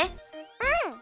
うん！